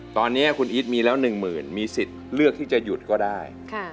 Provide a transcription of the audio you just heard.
ตอนนี้คุณอีทมีแล้ว๑หมื่นมีสิทธิ์เลือกที่จะหยุดก็ได้